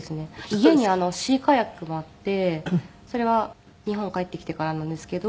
家にシーカヤックがあってそれは日本帰ってきてからなんですけど。